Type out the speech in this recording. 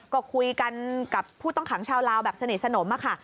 ก็คุยกันกับผู้ต้องขังชาวลาวแบบสนิทสนมค่ะ